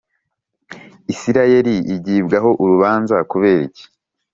Isirayeli igibwaho urubanza kuberiki